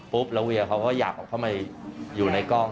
ปุ๊บแล้วเวียเขาก็อยากเข้ามาอยู่ในกล้อง